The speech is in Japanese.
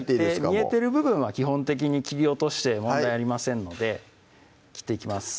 見えてる部分は基本的に切り落として問題ありませんので切っていきます